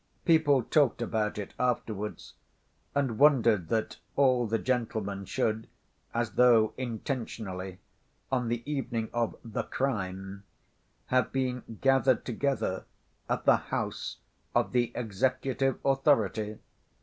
People talked about it afterwards and wondered that all the gentlemen should, as though intentionally, on the evening of "the crime" have been gathered together at the house of the executive authority.